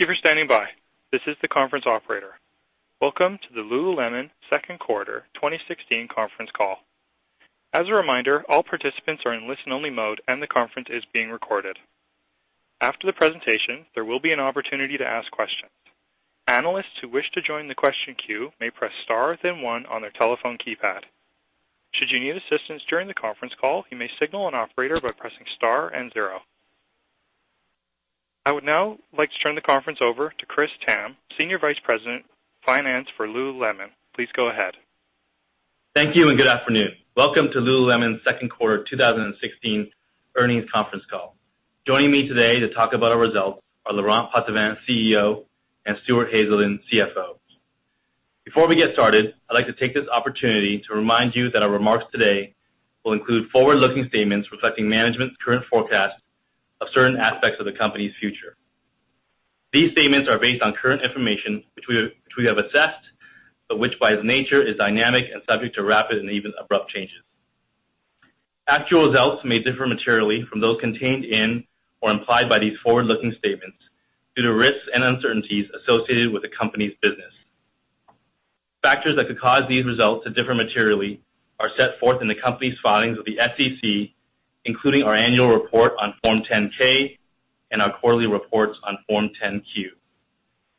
Thank you for standing by. This is the conference operator. Welcome to the Lululemon second quarter 2016 conference call. As a reminder, all participants are in listen only mode, and the conference is being recorded. After the presentation, there will be an opportunity to ask questions. Analysts who wish to join the question queue may press star then one on their telephone keypad. Should you need assistance during the conference call, you may signal an operator by pressing star and zero. I would now like to turn the conference over to Chris Tham, Senior Vice President, Finance for Lululemon. Please go ahead. Thank you. Good afternoon. Welcome to Lululemon's second quarter 2016 earnings conference call. Joining me today to talk about our results are Laurent Potdevin, CEO, and Stuart Haselden, CFO. Before we get started, I'd like to take this opportunity to remind you that our remarks today will include forward-looking statements reflecting management's current forecasts of certain aspects of the company's future. These statements are based on current information, which we have assessed, but which, by its nature, is dynamic and subject to rapid and even abrupt changes. Actual results may differ materially from those contained in or implied by these forward-looking statements due to risks and uncertainties associated with the company's business. Factors that could cause these results to differ materially are set forth in the company's filings with the SEC, including our annual report on Form 10-K and our quarterly reports on Form 10-Q.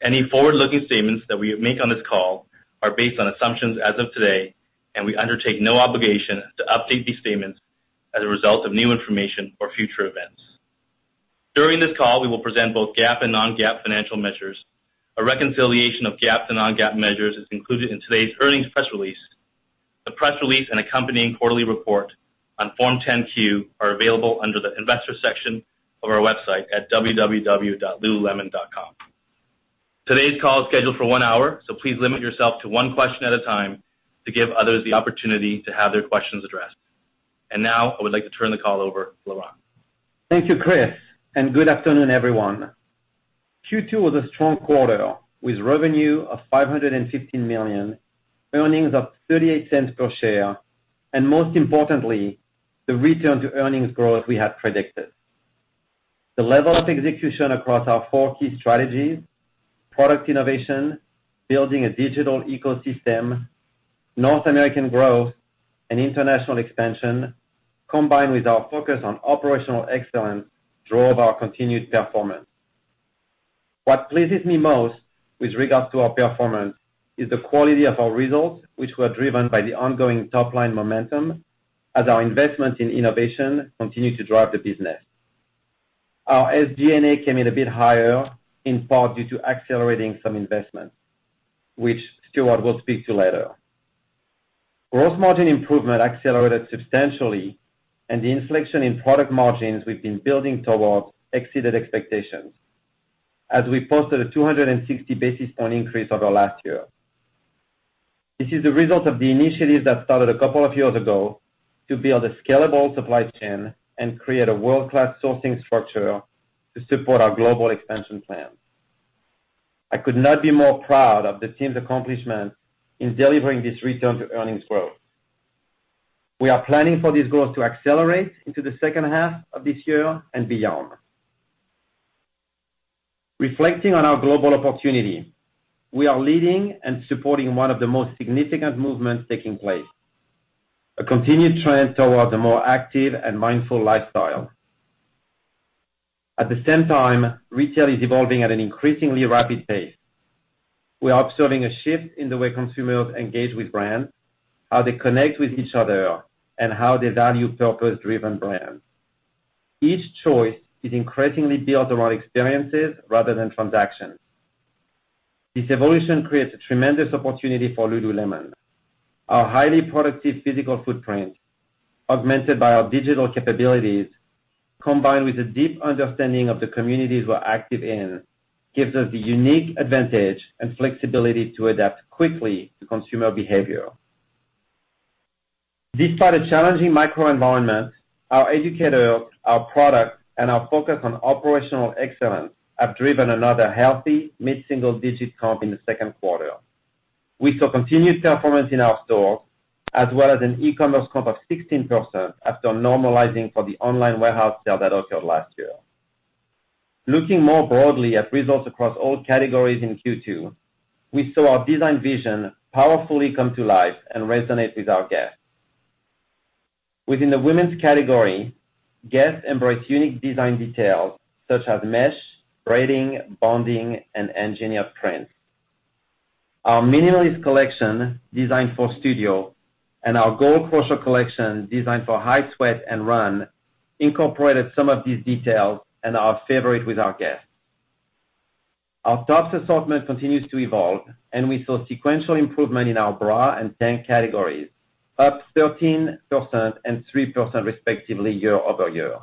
Any forward-looking statements that we make on this call are based on assumptions as of today, and we undertake no obligation to update these statements as a result of new information or future events. During this call, we will present both GAAP and non-GAAP financial measures. A reconciliation of GAAP to non-GAAP measures is included in today's earnings press release. The press release and accompanying quarterly report on Form 10-Q are available under the investor section of our website at www.lululemon.com. Today's call is scheduled for one hour, so please limit yourself to one question at a time to give others the opportunity to have their questions addressed. Now, I would like to turn the call over to Laurent. Thank you, Chris. Good afternoon, everyone. Q2 was a strong quarter with revenue of $515 million, earnings of $0.38 per share, and most importantly, the return to earnings growth we had predicted. The level of execution across our four key strategies, product innovation, building a digital ecosystem, North American growth, and international expansion, combined with our focus on operational excellence, drove our continued performance. What pleases me most with regards to our performance is the quality of our results, which were driven by the ongoing top-line momentum as our investment in innovation continued to drive the business. Our SG&A came in a bit higher, in part due to accelerating some investments, which Stuart will speak to later. Gross margin improvement accelerated substantially, and the inflection in product margins we've been building toward exceeded expectations as we posted a 260 basis point increase over last year. This is a result of the initiatives that started a couple of years ago to build a scalable supply chain and create a world-class sourcing structure to support our global expansion plans. I could not be more proud of the team's accomplishments in delivering this return to earnings growth. We are planning for these growth to accelerate into the second half of this year and beyond. Reflecting on our global opportunity, we are leading and supporting one of the most significant movements taking place, a continued trend towards a more active and mindful lifestyle. At the same time, retail is evolving at an increasingly rapid pace. We are observing a shift in the way consumers engage with brands, how they connect with each other, and how they value purpose-driven brands. Each choice is increasingly built around experiences rather than transactions. This evolution creates a tremendous opportunity for Lululemon. Our highly productive physical footprint, augmented by our digital capabilities, combined with a deep understanding of the communities we're active in, gives us the unique advantage and flexibility to adapt quickly to consumer behavior. Despite a challenging microenvironment, our educator, our product, and our focus on operational excellence have driven another healthy mid-single-digit comp in the second quarter. We saw continued performance in our stores, as well as an e-commerce comp of 17% after normalizing for the online warehouse sale that occurred last year. Looking more broadly at results across all categories in Q2, we saw our design vision powerfully come to life and resonate with our guests. Within the women's category, guests embrace unique design details such as mesh, braiding, bonding, and engineered prints. Our minimalist collection, designed for studio, and our Goal Crusher collection, designed for high sweat and run, incorporated some of these details and are a favorite with our guests. Our tops assortment continues to evolve, and we saw sequential improvement in our bra and tank categories, up 13% and 3% respectively year-over-year,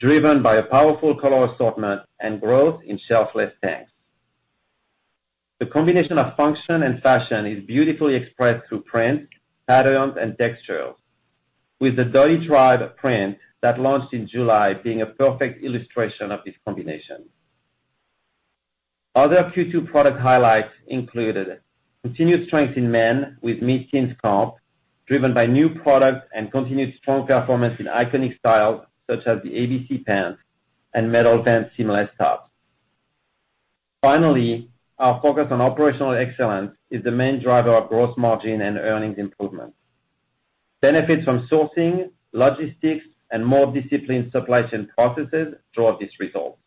driven by a powerful color assortment and growth in shelf-less tanks. The combination of function and fashion is beautifully expressed through prints, patterns, and textures. With the Dottie Tribe print that launched in July being a perfect illustration of this combination. Other Q2 product highlights included continued strength in men with mid-teens comp driven by new products and continued strong performance in iconic styles such as the ABC Pant and Metal Vent Tech seamless tops. Finally, our focus on operational excellence is the main driver of gross margin and earnings improvement. Benefits from sourcing, logistics, and more disciplined supply chain processes drove these results.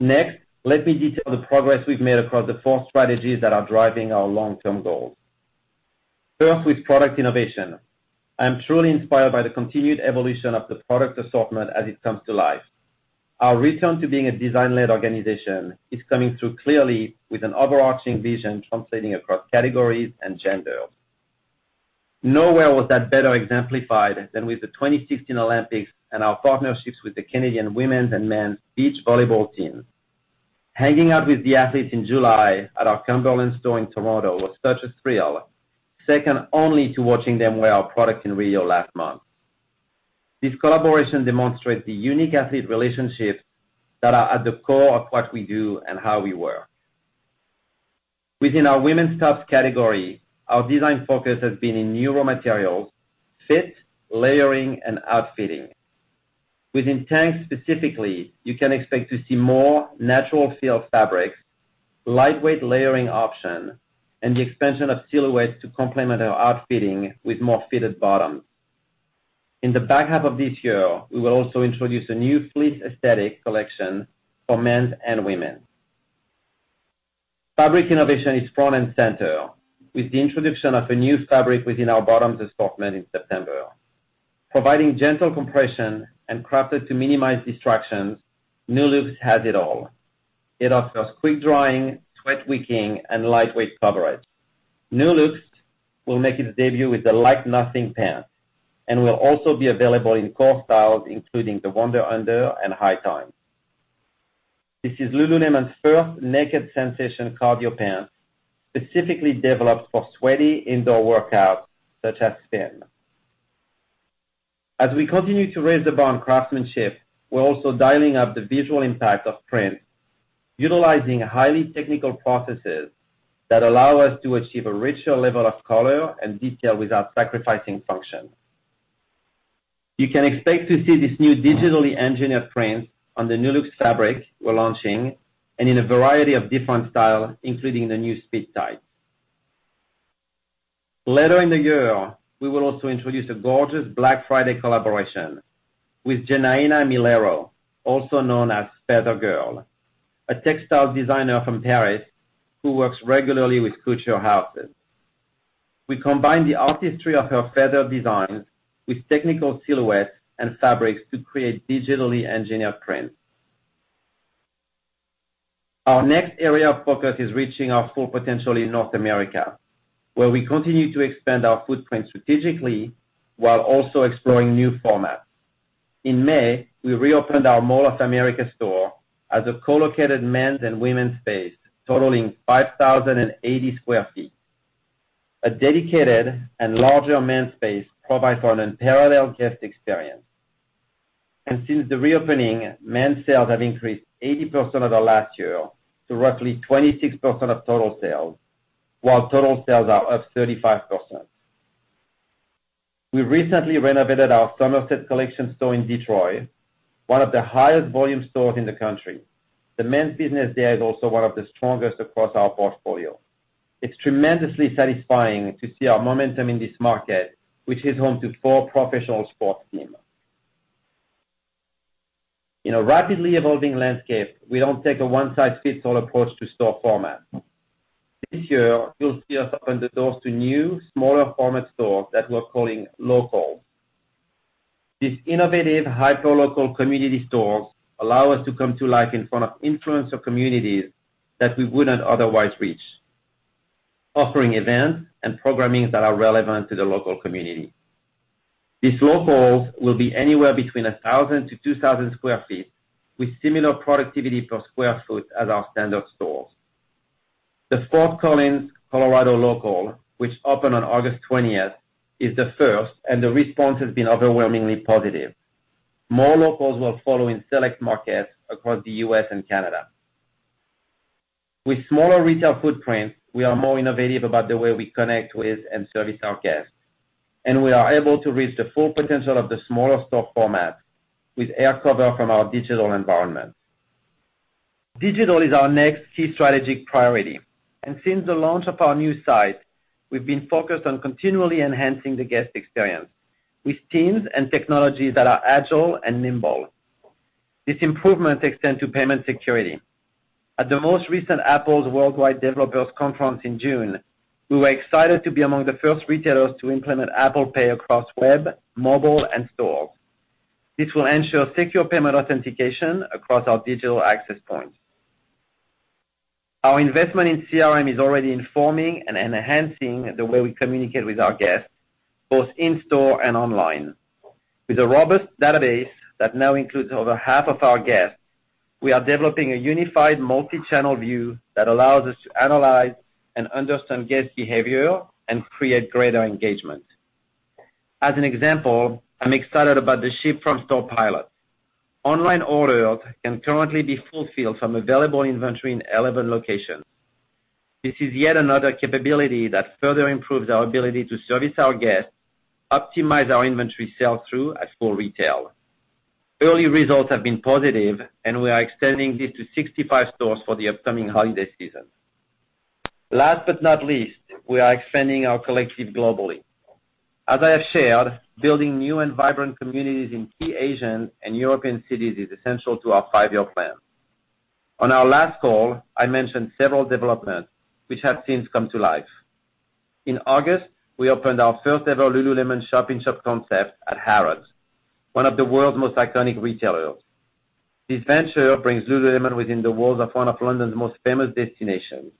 Next, let me detail the progress we've made across the four strategies that are driving our long-term goals. First, with product innovation, I'm truly inspired by the continued evolution of the product assortment as it comes to life. Our return to being a design-led organization is coming through clearly with an overarching vision translating across categories and genders. Nowhere was that better exemplified than with the 2016 Olympics and our partnerships with the Canadian women's and men's beach volleyball teams. Hanging out with the athletes in July at our Cumberland store in Toronto was such a thrill, second only to watching them wear our product in Rio last month. This collaboration demonstrates the unique asset relationships that are at the core of what we do and how we work. Within our women's tops category, our design focus has been in newer materials, fit, layering, and outfitting. Within tanks specifically, you can expect to see more natural feel fabrics, lightweight layering option, and the expansion of silhouettes to complement our outfitting with more fitted bottoms. In the back half of this year, we will also introduce a new fleece aesthetic collection for men's and women's. Fabric innovation is front and center with the introduction of a new fabric within our bottoms assortment in September. Providing gentle compression and crafted to minimize distractions, Nulux has it all. It offers quick-drying, sweat-wicking, and lightweight coverage. Nulux will make its debut with the Like Nothing pant and will also be available in core styles, including the Wunder Under and High Times. This is Lululemon's first naked sensation cardio pant, specifically developed for sweaty indoor workouts such as spin. As we continue to raise the bar on craftsmanship, we're also dialing up the visual impact of print, utilizing highly technical processes that allow us to achieve a richer level of color and detail without sacrificing function. You can expect to see these new digitally engineered prints on the Nulux fabric we're launching and in a variety of different styles, including the new Speed Tight. Later in the year, we will also introduce a gorgeous Black Friday collaboration with Janaïna Milheiro, also known as Feather Girl, a textile designer from Paris who works regularly with couture houses. We combine the artistry of her feather designs with technical silhouettes and fabrics to create digitally engineered prints. Our next area of focus is reaching our full potential in North America, where we continue to expand our footprint strategically while also exploring new formats. In May, we reopened our Mall of America store as a co-located men's and women's space, totaling 5,080 sq ft. A dedicated and larger men's space provides for an unparalleled guest experience. Since the reopening, men's sales have increased 80% over last year to roughly 26% of total sales, while total sales are up 35%. We recently renovated our Somerset Collection store in Detroit, one of the highest volume stores in the country. The men's business there is also one of the strongest across our portfolio. It's tremendously satisfying to see our momentum in this market, which is home to four professional sports teams. In a rapidly evolving landscape, we don't take a one-size-fits-all approach to store format. This year, you'll see us open the doors to new, smaller format stores that we're calling Local. These innovative, hyper-local community stores allow us to come to life in front of influencer communities that we wouldn't otherwise reach, offering events and programming that are relevant to the local community. These Locals will be anywhere between 1,000-2,000 sq ft, with similar productivity per square foot as our standard stores. The Fort Collins, Colorado Local, which opened on August 20th, is the first, and the response has been overwhelmingly positive. More Locals will follow in select markets across the U.S. and Canada. With smaller retail footprints, we are more innovative about the way we connect with and service our guests, and we are able to reach the full potential of the smaller store format with air cover from our digital environment. Digital is our next key strategic priority. Since the launch of our new site, we've been focused on continually enhancing the guest experience with teams and technologies that are agile and nimble. This improvement extends to payment security. At the most recent Apple's Worldwide Developers Conference in June, we were excited to be among the first retailers to implement Apple Pay across web, mobile, and store. This will ensure secure payment authentication across our digital access points. Our investment in CRM is already informing and enhancing the way we communicate with our guests, both in store and online. With a robust database that now includes over half of our guests, we are developing a unified multi-channel view that allows us to analyze and understand guest behavior and create greater engagement. As an example, I'm excited about the ship from store pilot. Online orders can currently be fulfilled from available inventory in 11 locations. This is yet another capability that further improves our ability to service our guests, optimize our inventory sell through at full retail. Early results have been positive. We are extending this to 65 stores for the upcoming holiday season. Last but not least, we are expanding our collective globally. As I have shared, building new and vibrant communities in key Asian and European cities is essential to our five-year plan. On our last call, I mentioned several developments, which have since come to life. In August, we opened our first ever Lululemon shop-in-shop concept at Harrods, one of the world's most iconic retailers. This venture brings Lululemon within the walls of one of London's most famous destinations.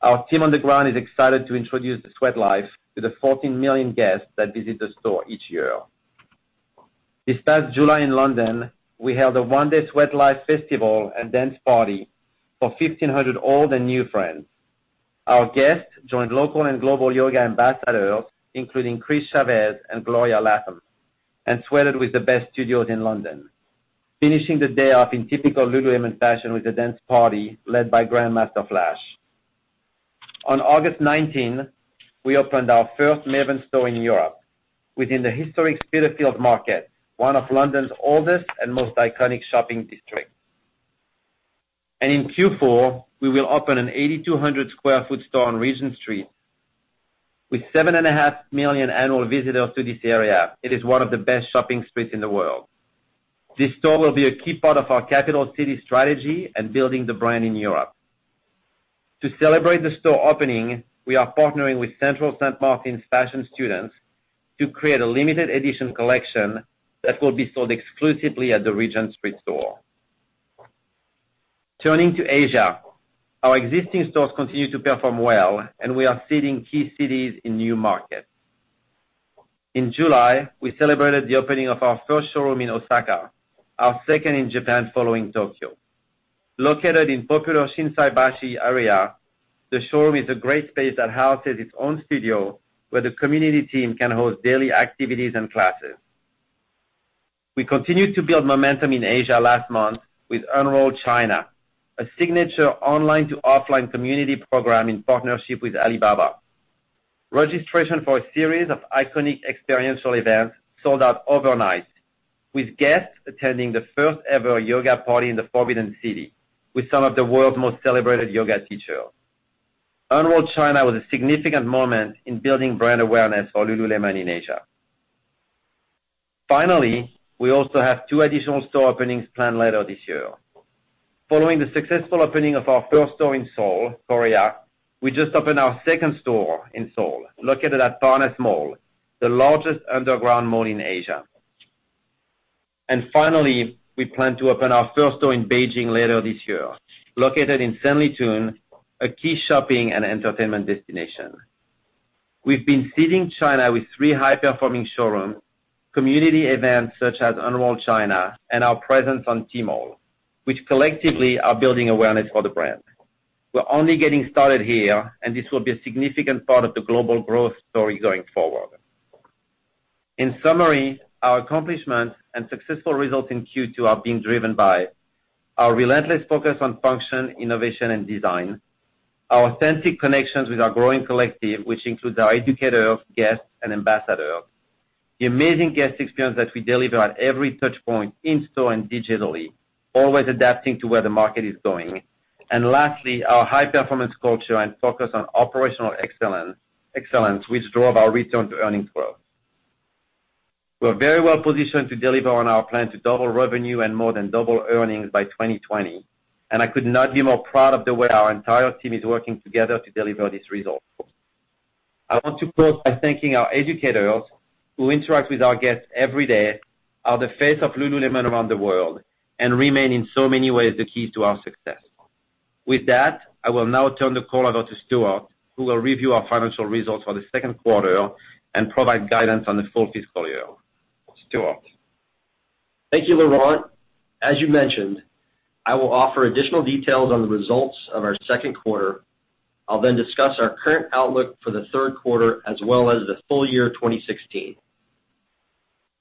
Our team on the ground is excited to introduce the Sweatlife to the 14 million guests that visit the store each year. This past July in London, we held a one-day Sweatlife festival and dance party for 1,500 old and new friends. Our guests joined local and global yoga ambassadors, including Chris Chavez and Gloria Latham, and sweated with the best studios in London, finishing the day off in typical Lululemon fashion with a dance party led by Grandmaster Flash. On August 19, we opened our first Maven store in Europe within the historic Spitalfields Market, one of London's oldest and most iconic shopping districts. In Q4, we will open an 8,200 sq ft store on Regent Street. With seven and a half million annual visitors to this area, it is one of the best shopping streets in the world. This store will be a key part of our capital city strategy and building the brand in Europe. To celebrate the store opening, we are partnering with Central Saint Martins fashion students to create a limited edition collection that will be sold exclusively at the Regent Street store. Turning to Asia, our existing stores continue to perform well. We are seeding key cities in new markets. In July, we celebrated the opening of our first showroom in Osaka, our second in Japan following Tokyo. Located in popular Shinsaibashi area, the showroom is a great space that houses its own studio where the community team can host daily activities and classes. We continued to build momentum in Asia last month with Unroll China, a signature online to offline community program in partnership with Alibaba. Registration for a series of iconic experiential events sold out overnight, with guests attending the first ever yoga party in the Forbidden City with some of the world's most celebrated yoga teachers. Unroll China was a significant moment in building brand awareness for Lululemon Athletica in Asia. Finally, we also have two additional store openings planned later this year. Following the successful opening of our first store in Seoul, Korea, we just opened our second store in Seoul, located at Starfield COEX Mall, the largest underground mall in Asia. And finally, we plan to open our first store in Beijing later this year, located in Sanlitun, a key shopping and entertainment destination. We've been seeding China with three high-performing showrooms, community events such as Unroll China, and our presence on Tmall, which collectively are building awareness for the brand. We're only getting started here, and this will be a significant part of the global growth story going forward. In summary, our accomplishments and successful results in Q2 are being driven by our relentless focus on function, innovation, and design, our authentic connections with our growing collective, which includes our educators, guests, and ambassadors, the amazing guest experience that we deliver at every touch point in-store and digitally, always adapting to where the market is going, and lastly, our high-performance culture and focus on operational excellence, which drove our return to earnings growth. We are very well positioned to deliver on our plan to double revenue and more than double earnings by 2020, and I could not be more proud of the way our entire team is working together to deliver this result. I want to close by thanking our educators who interact with our guests every day, are the face of Lululemon Athletica around the world, and remain in so many ways the key to our success. With that, I will now turn the call over to Stuart, who will review our financial results for the second quarter and provide guidance on the full fiscal year. Stuart? Thank you, Laurent. As you mentioned, I will offer additional details on the results of our second quarter. I'll then discuss our current outlook for the third quarter as well as the full year 2016.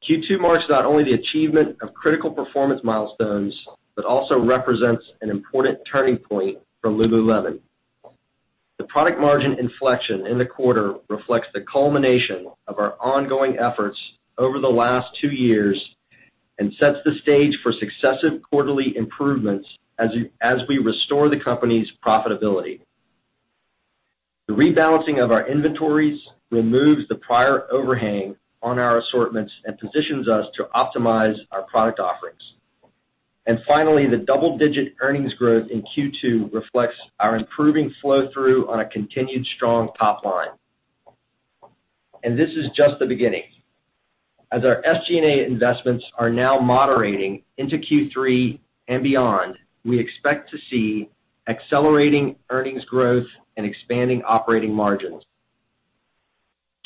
Q2 marks not only the achievement of critical performance milestones, but also represents an important turning point for Lululemon Athletica. The product margin inflection in the quarter reflects the culmination of our ongoing efforts over the last two years and sets the stage for successive quarterly improvements as we restore the company's profitability. The rebalancing of our inventories removes the prior overhang on our assortments and positions us to optimize our product offerings. And finally, the double-digit earnings growth in Q2 reflects our improving flow-through on a continued strong top line. And this is just the beginning. As our SG&A investments are now moderating into Q3 and beyond, we expect to see accelerating earnings growth and expanding operating margins.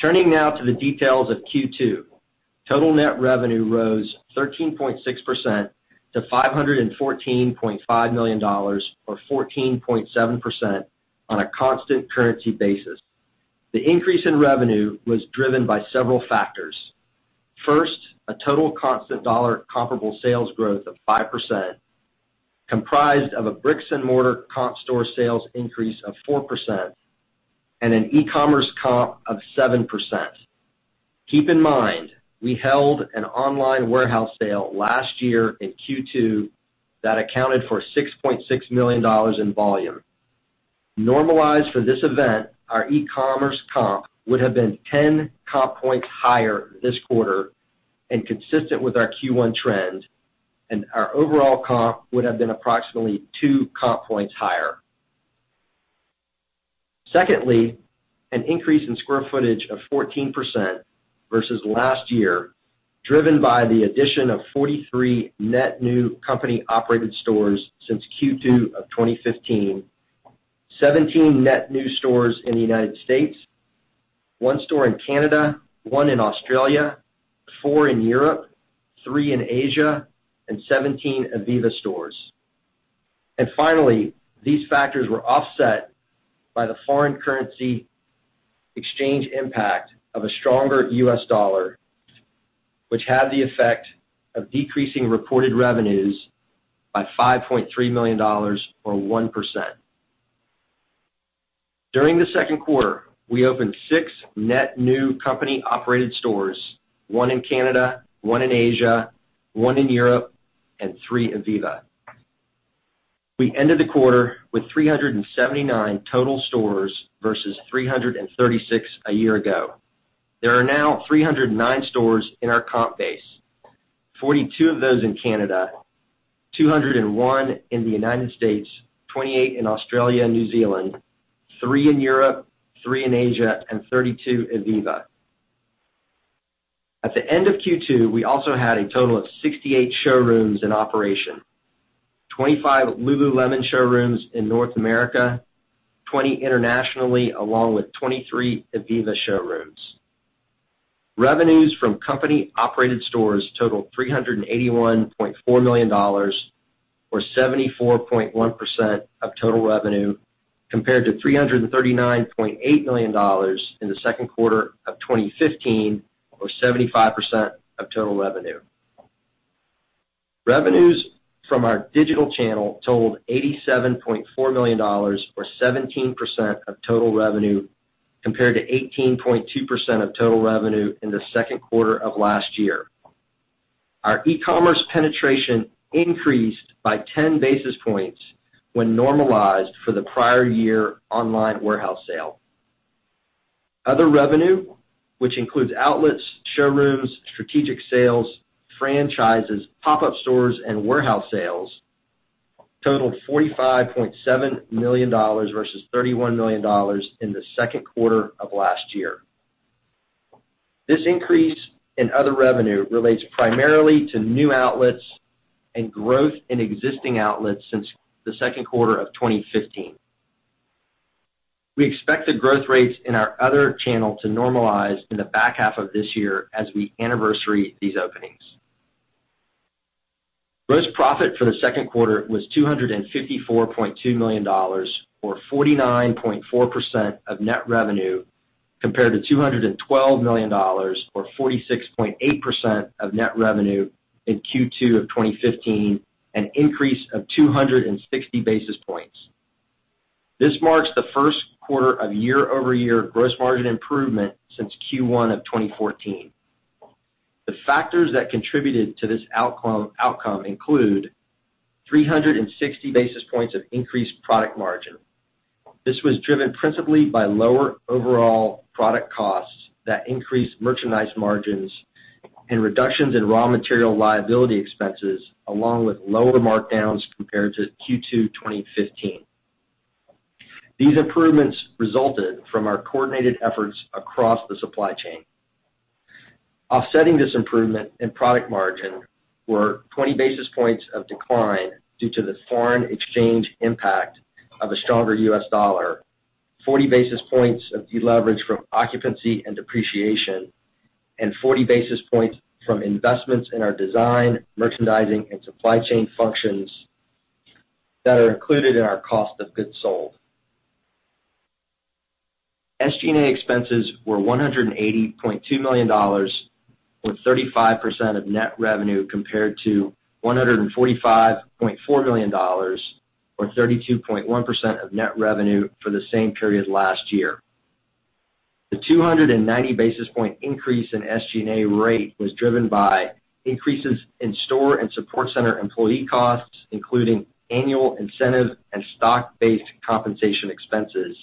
Turning now to the details of Q2. Total net revenue rose 13.6% to $514.5 million or 14.7% on a constant currency basis. The increase in revenue was driven by several factors. First, a total constant dollar comparable sales growth of 5%, comprised of a bricks and mortar comp store sales increase of 4%, and an e-commerce comp of 7%. Keep in mind, we held an online warehouse sale last year in Q2 that accounted for $6.6 million in volume. Normalized for this event, our e-commerce comp would have been 10 comp points higher this quarter and consistent with our Q1 trend, and our overall comp would have been approximately two comp points higher. Secondly, an increase in square footage of 14% versus last year, driven by the addition of 43 net new company-operated stores since Q2 of 2015, 17 net new stores in the United States, one store in Canada, one in Australia, four in Europe, three in Asia, and 17 ivivva stores. Finally, these factors were offset by the foreign currency exchange impact of a stronger US dollar, which had the effect of decreasing reported revenues by $5.3 million or 1%. During the second quarter, we opened six net new company-operated stores, one in Canada, one in Asia, one in Europe, and three ivivva. We ended the quarter with 379 total stores versus 336 a year ago. There are now 309 stores in our comp base, 42 of those in Canada, 201 in the United States, 28 in Australia and New Zealand, three in Europe, three in Asia, and 32 ivivva. At the end of Q2, we also had a total of 68 showrooms in operation, 25 Lululemon showrooms in North America, 20 internationally, along with 23 ivivva showrooms. Revenues from company-operated stores totaled $381.4 million or 74.1% of total revenue, compared to $339.8 million in the second quarter of 2015, or 75% of total revenue. Revenues from our digital channel totaled $87.4 million or 17% of total revenue, compared to 18.2% of total revenue in the second quarter of last year. Our e-commerce penetration increased by 10 basis points when normalized for the prior year online warehouse sale. Other revenue, which includes outlets, showrooms, strategic sales, franchises, pop-up stores, and warehouse sales, totaled $45.7 million versus $31 million in the second quarter of last year. This increase in other revenue relates primarily to new outlets and growth in existing outlets since the second quarter of 2015. We expect the growth rates in our other channel to normalize in the back half of this year as we anniversary these openings. Gross profit for the second quarter was $254.2 million or 49.4% of net revenue, compared to $212 million or 46.8% of net revenue in Q2 of 2015, an increase of 260 basis points. This marks the first quarter of year-over-year gross margin improvement since Q1 of 2014. The factors that contributed to this outcome include 360 basis points of increased product margin. This was driven principally by lower overall product costs that increased merchandise margins and reductions in raw material liability expenses, along with lower markdowns compared to Q2 2015. These improvements resulted from our coordinated efforts across the supply chain. Offsetting this improvement in product margin were 20 basis points of decline due to the foreign exchange impact of a stronger U.S. dollar, 40 basis points of deleverage from occupancy and depreciation, and 40 basis points from investments in our design, merchandising, and supply chain functions that are included in our cost of goods sold. SG&A expenses were $180.2 million or 35% of net revenue compared to $145.4 million or 32.1% of net revenue for the same period last year. The 290 basis point increase in SG&A rate was driven by increases in store and support center employee costs, including annual incentive and stock-based compensation expenses.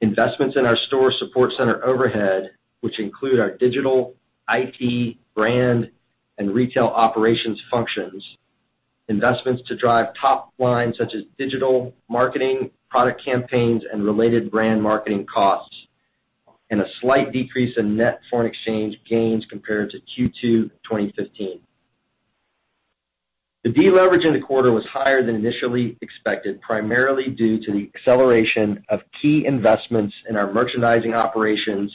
Investments in our store support center overhead, which include our digital, IT, brand, and retail operations functions. Investments to drive top line, such as digital marketing, product campaigns, and related brand marketing costs. A slight decrease in net foreign exchange gains compared to Q2 2015. The deleverage in the quarter was higher than initially expected, primarily due to the acceleration of key investments in our merchandising operations,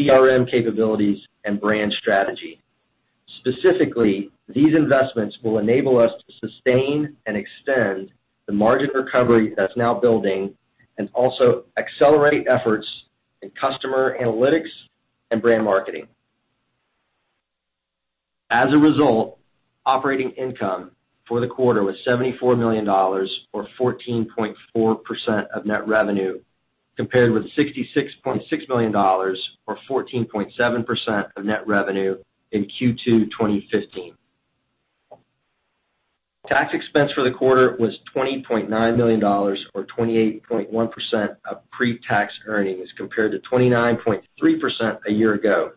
CRM capabilities, and brand strategy. Specifically, these investments will enable us to sustain and extend the margin recovery that's now building. Also accelerate efforts in customer analytics and brand marketing. As a result, operating income for the quarter was $74 million, or 14.4% of net revenue, compared with $66.6 million, or 14.7% of net revenue in Q2 2015. Tax expense for the quarter was $20.9 million or 28.1% of pre-tax earnings, compared to 29.3% a year ago.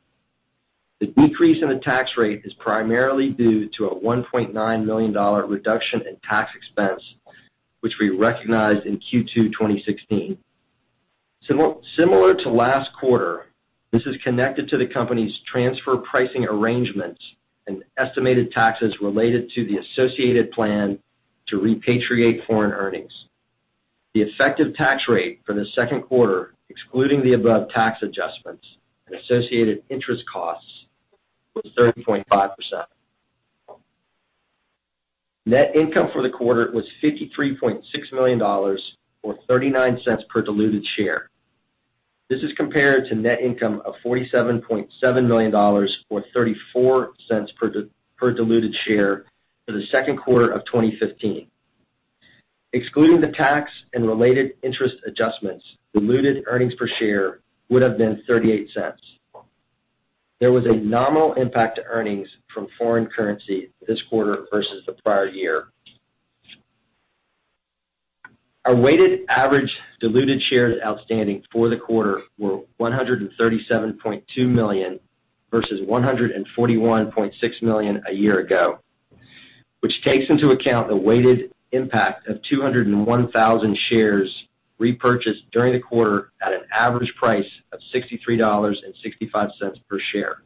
The decrease in the tax rate is primarily due to a $1.9 million reduction in tax expense, which we recognized in Q2 2016. Similar to last quarter, this is connected to the company's transfer pricing arrangements and estimated taxes related to the associated plan to repatriate foreign earnings. The effective tax rate for the second quarter, excluding the above tax adjustments and associated interest costs, was 30.5%. Net income for the quarter was $53.6 million, or $0.39 per diluted share. This is compared to net income of $47.7 million, or $0.34 per diluted share for the second quarter of 2015. Excluding the tax and related interest adjustments, diluted earnings per share would have been $0.38. There was a nominal impact to earnings from foreign currency this quarter versus the prior year. Our weighted average diluted shares outstanding for the quarter were 137.2 million, versus 141.6 million a year ago, which takes into account the weighted impact of 201,000 shares repurchased during the quarter at an average price of $63.65 per share.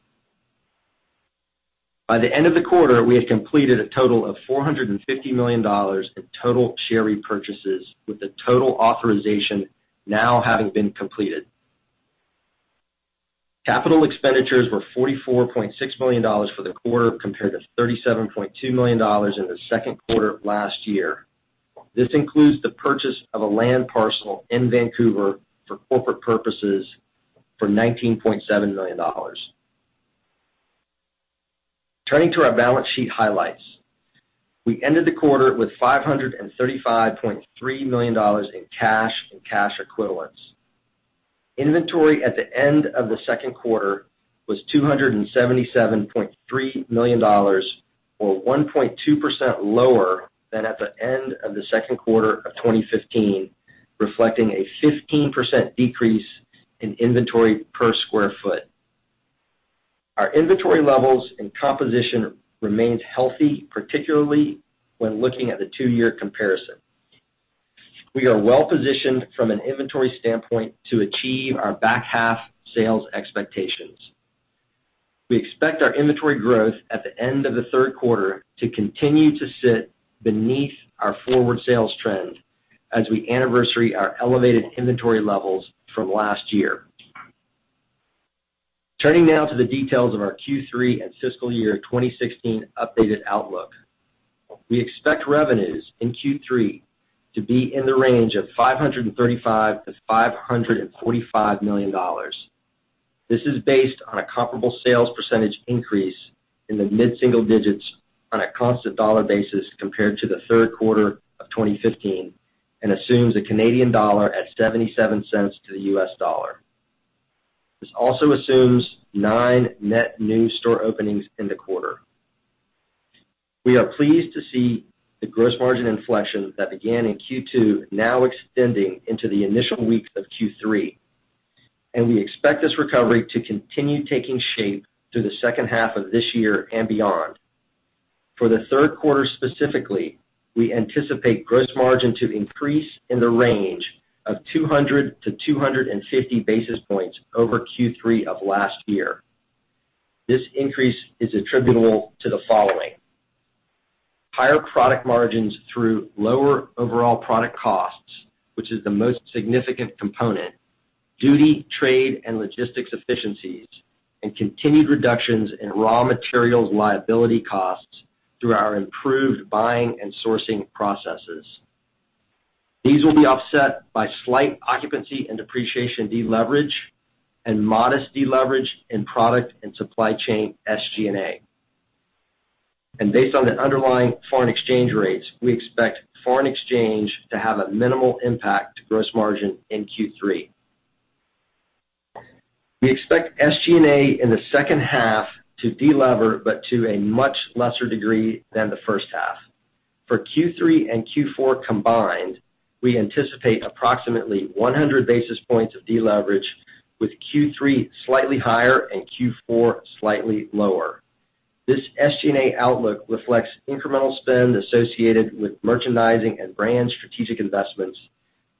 By the end of the quarter, we had completed a total of $450 million in total share repurchases, with the total authorization now having been completed. Capital expenditures were $44.6 million for the quarter, compared to $37.2 million in the second quarter of last year. This includes the purchase of a land parcel in Vancouver for corporate purposes for $19.7 million. Turning to our balance sheet highlights. We ended the quarter with $535.3 million in cash and cash equivalents. Inventory at the end of the second quarter was $277.3 million, or 1.2% lower than at the end of the second quarter of 2015, reflecting a 15% decrease in inventory per square foot. Our inventory levels and composition remained healthy, particularly when looking at the two-year comparison. We are well positioned from an inventory standpoint to achieve our back half sales expectations. We expect our inventory growth at the end of the third quarter to continue to sit beneath our forward sales trend as we anniversary our elevated inventory levels from last year. Turning now to the details of our Q3 and fiscal year 2016 updated outlook. We expect revenues in Q3 to be in the range of $535 million-$545 million. This is based on a comparable sales percentage increase in the mid-single digits on a constant dollar basis compared to the third quarter of 2015, and assumes a Canadian dollar at $0.77 to the US dollar. This also assumes nine net new store openings in the quarter. We are pleased to see the gross margin inflection that began in Q2 now extending into the initial weeks of Q3. We expect this recovery to continue taking shape through the second half of this year and beyond. For the third quarter specifically, we anticipate gross margin to increase in the range of 200-250 basis points over Q3 of last year. This increase is attributable to the following. Higher product margins through lower overall product costs, which is the most significant component, duty, trade, and logistics efficiencies, and continued reductions in raw materials liability costs through our improved buying and sourcing processes. These will be offset by slight occupancy and depreciation deleverage and modest deleverage in product and supply chain SG&A. Based on the underlying foreign exchange rates, we expect foreign exchange to have a minimal impact to gross margin in Q3. We expect SG&A in the second half to delever, but to a much lesser degree than the first half. For Q3 and Q4 combined, we anticipate approximately 100 basis points of deleverage, with Q3 slightly higher and Q4 slightly lower. This SG&A outlook reflects incremental spend associated with merchandising and brand strategic investments,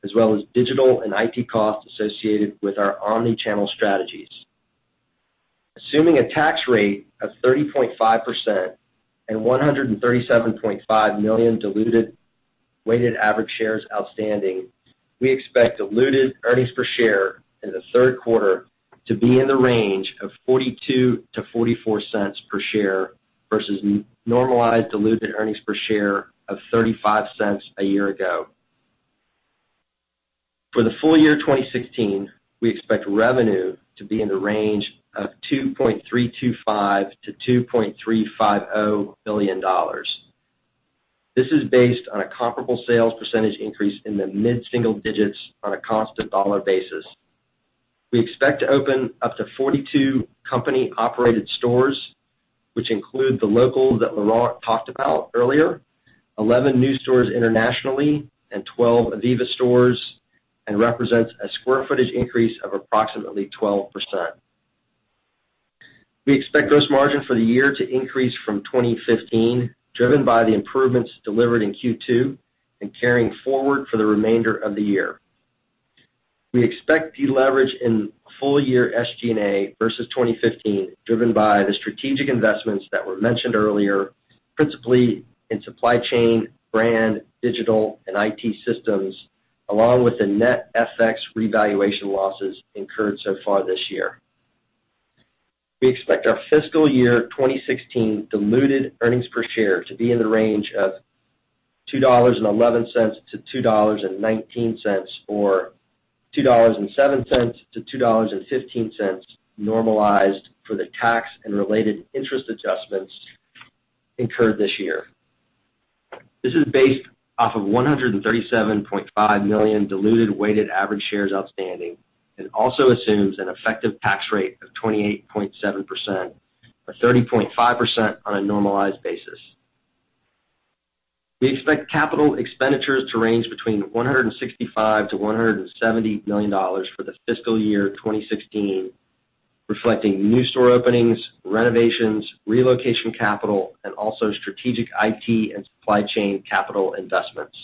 as well as digital and IT costs associated with our omni-channel strategies. Assuming a tax rate of 30.5% and 137.5 million diluted weighted average shares outstanding, we expect diluted earnings per share in the third quarter to be in the range of $0.42-$0.44 per share versus normalized diluted earnings per share of $0.35 a year ago. For the full year 2016, we expect revenue to be in the range of $2.325 billion-$2.350 billion. This is based on a comparable sales percentage increase in the mid-single digits on a constant dollar basis. We expect to open up to 42 company-operated stores, which include The Local that Laurent talked about earlier, 11 new stores internationally, and 12 ivivva stores, and represents a square footage increase of approximately 12%. We expect gross margin for the year to increase from 2015, driven by the improvements delivered in Q2 and carrying forward for the remainder of the year. We expect deleverage in full year SG&A versus 2015, driven by the strategic investments that were mentioned earlier, principally in supply chain, brand, digital, and IT systems, along with the net FX revaluation losses incurred so far this year. We expect our fiscal year 2016 diluted earnings per share to be in the range of $2.11-$2.19, or $2.07-$2.15 normalized for the tax and related interest adjustments incurred this year. This is based off of 137.5 million diluted weighted average shares outstanding and also assumes an effective tax rate of 28.7%, or 30.5% on a normalized basis. We expect capital expenditures to range between $165 million-$170 million for the FY 2016, reflecting new store openings, renovations, relocation capital, and also strategic IT and supply chain capital investments.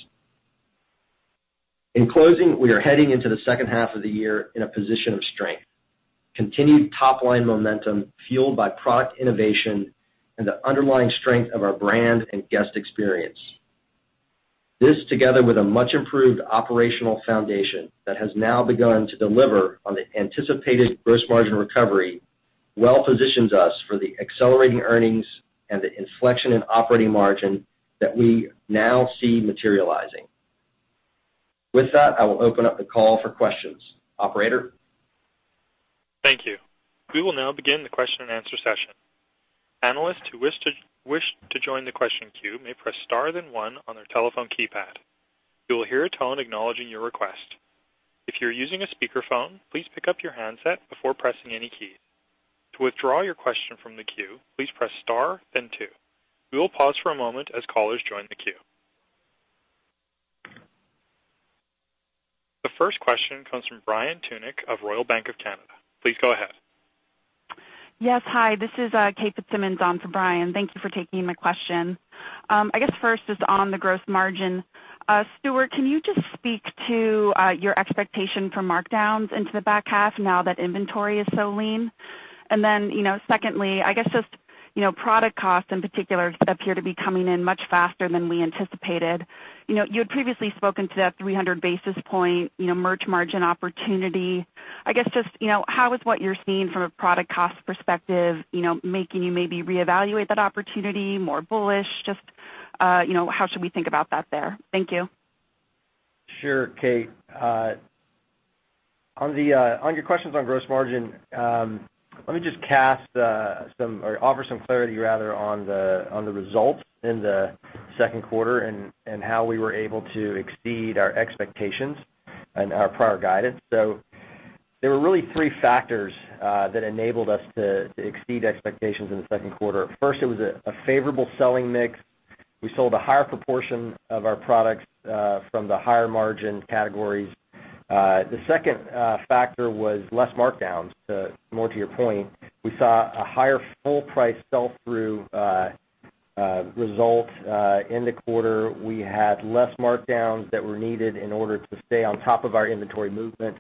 In closing, we are heading into the second half of the year in a position of strength. Continued top-line momentum fueled by product innovation and the underlying strength of our brand and guest experience. This, together with a much-improved operational foundation that has now begun to deliver on the anticipated gross margin recovery, well positions us for the accelerating earnings and the inflection in operating margin that we now see materializing. With that, I will open up the call for questions. Operator? Thank you. We will now begin the question and answer session. Analysts who wish to join the question queue may press star then one on their telephone keypad. You will hear a tone acknowledging your request. If you are using a speakerphone, please pick up your handset before pressing any keys. To withdraw your question from the queue, please press star then two. We will pause for a moment as callers join the queue. The first question comes from Brian Tunick of Royal Bank of Canada. Please go ahead. Yes, hi. This is Kate Fitzsimons on for Brian. Thank you for taking my question. I guess first is on the gross margin. Stuart, can you speak to your expectation for markdowns into the back half now that inventory is so lean? Secondly, I guess product costs in particular appear to be coming in much faster than we anticipated. You had previously spoken to that 300 basis points merch margin opportunity. I guess, how is what you are seeing from a product cost perspective making you maybe reevaluate that opportunity, more bullish? How should we think about that there? Thank you. Sure, Kate. On your questions on gross margin, let me just cast some, or offer some clarity rather, on the results in the second quarter and how we were able to exceed our expectations and our prior guidance. There were really three factors that enabled us to exceed expectations in the second quarter. First, it was a favorable selling mix. We sold a higher proportion of our products from the higher margin categories. The second factor was less markdowns, more to your point. We saw a higher full price sell-through result in the quarter. We had less markdowns that were needed in order to stay on top of our inventory movement.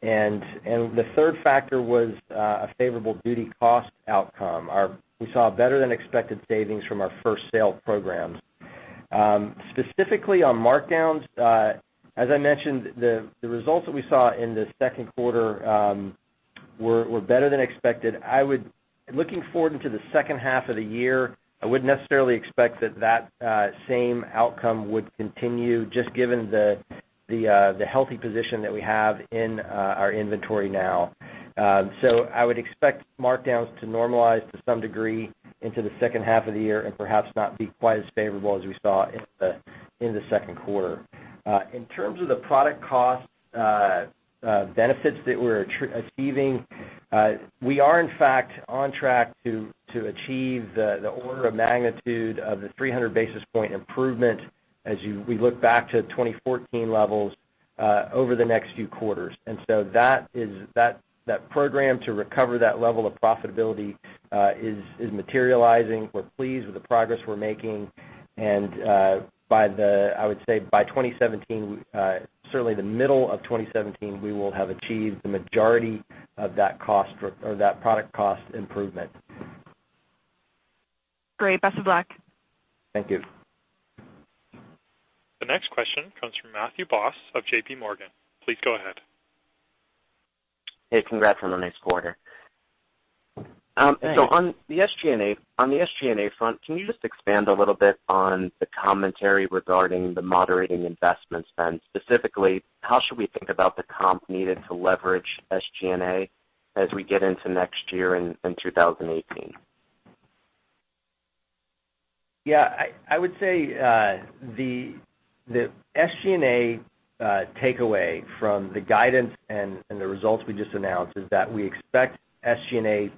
The third factor was a favorable duty cost outcome. We saw better than expected savings from our first-sale programs. Specifically on markdowns, as I mentioned, the results that we saw in the second quarter were better than expected. Looking forward into the second half of the year, I wouldn't necessarily expect that same outcome would continue, just given the healthy position that we have in our inventory now. I would expect markdowns to normalize to some degree into the second half of the year and perhaps not be quite as favorable as we saw in the second quarter. In terms of the product cost benefits that we're achieving, we are in fact on track to achieve the order of magnitude of the 300 basis point improvement as we look back to 2014 levels over the next few quarters. That program to recover that level of profitability is materializing. We're pleased with the progress we're making. I would say by 2017, certainly the middle of 2017, we will have achieved the majority of that product cost improvement. Great. Best of luck. Thank you. The next question comes from Matthew Boss of JPMorgan. Please go ahead. Hey, congrats on a nice quarter. Thanks. On the SG&A front, can you just expand a little bit on the commentary regarding the moderating investment spend? Specifically, how should we think about the comp needed to leverage SG&A as we get into next year in 2018? Yeah. I would say, the SG&A takeaway from the guidance and the results we just announced is that we expect SG&A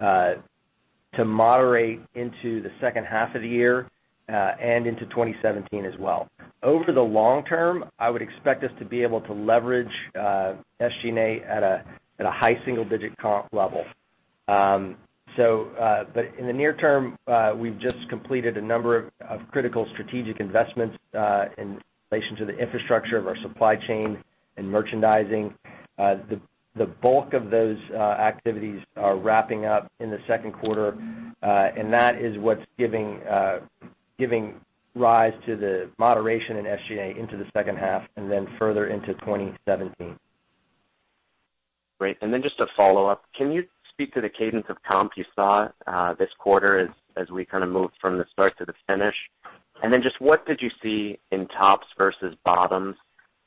to moderate into the second half of the year, and into 2017 as well. Over the long term, I would expect us to be able to leverage SG&A at a high single-digit comp level. In the near term, we've just completed a number of critical strategic investments, in relation to the infrastructure of our supply chain and merchandising. The bulk of those activities are wrapping up in the second quarter. That is what's giving rise to the moderation in SG&A into the second half, and then further into 2017. Great. Just a follow-up. Can you speak to the cadence of comp you saw this quarter as we kind of moved from the start to the finish? Just what did you see in tops versus bottoms,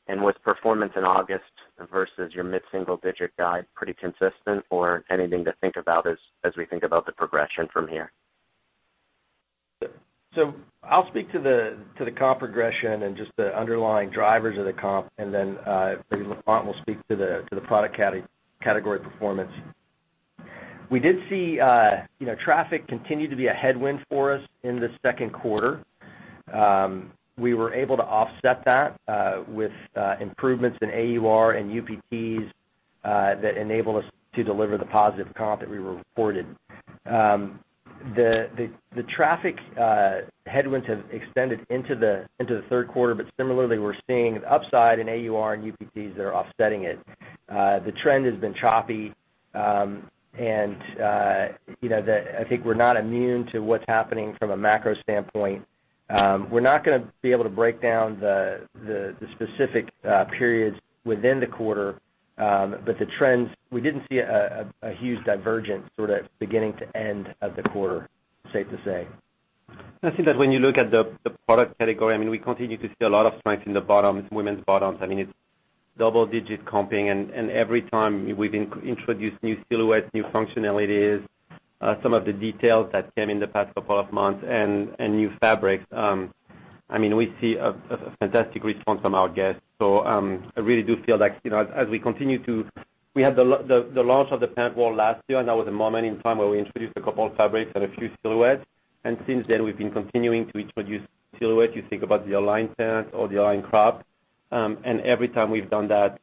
and was performance in August versus your mid-single-digit guide pretty consistent or anything to think about as we think about the progression from here? I'll speak to the comp progression and just the underlying drivers of the comp. Laurent will speak to the product category performance. We did see traffic continue to be a headwind for us in the second quarter. We were able to offset that with improvements in AUR and UPTs that enabled us to deliver the positive comp that we reported. Similarly, we're seeing upside in AUR and UPTs that are offsetting it. The trend has been choppy, and I think we're not immune to what's happening from a macro standpoint. We're not going to be able to break down the specific periods within the quarter. The trends, we didn't see a huge divergence from the beginning to end of the quarter, safe to say. I think that when you look at the product category, we continue to see a lot of strength in the bottoms, women's bottoms. It's double-digit comping. Every time we've introduced new silhouettes, new functionalities, some of the details that came in the past couple of months and new fabrics. We see a fantastic response from our guests. I really do feel like as we continue to, we had the launch of the pant wall last year, and that was a moment in time where we introduced a couple of fabrics and a few silhouettes. Since then, we've been continuing to introduce silhouettes. You think about the Align pant or the Align crop. Every time we've done that,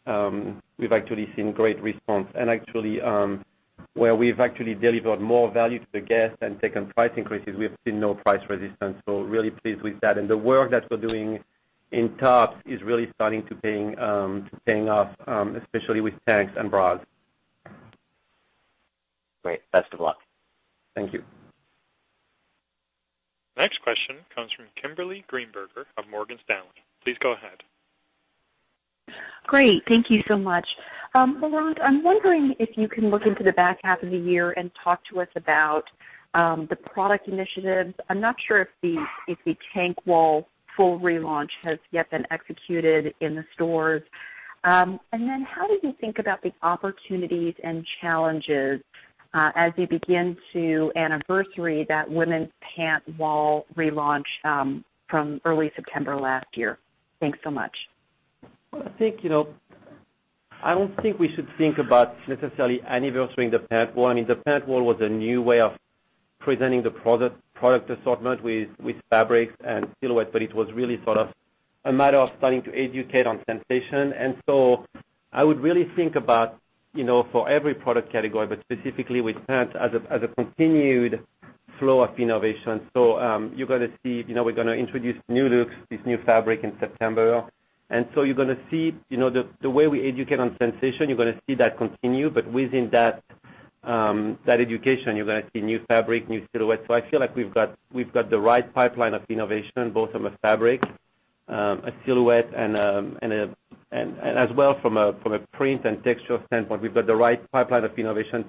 we've actually seen great response. Actually, where we've actually delivered more value to the guest and taken price increases, we have seen no price resistance. Really pleased with that. The work that we're doing in tops is really starting to paying off, especially with tanks and bras. Great. Best of luck. Thank you. Next question comes from Kimberly Greenberger of Morgan Stanley. Please go ahead. Great. Thank you so much. Laurent, I'm wondering if you can look into the back half of the year and talk to us about the product initiatives. I'm not sure if the tank wall full relaunch has yet been executed in the stores. Then how did you think about the opportunities and challenges, as you begin to anniversary that women's pant wall relaunch from early September last year? Thanks so much. I don't think we should think about necessarily anniversarying the pant wall. The pant wall was a new way of presenting the product assortment with fabrics and silhouettes, but it was really sort of a matter of starting to educate on sensation. I would really think about for every product category, but specifically with pants as a continued flow of innovation. You're gonna see we're gonna introduce new looks with new fabric in September. You're gonna see the way we educate on sensation, you're gonna see that continue, but within that education, you're gonna see new fabric, new silhouettes. I feel like we've got the right pipeline of innovation, both from a fabric, a silhouette, and as well from a print and texture standpoint. We've got the right pipeline of innovation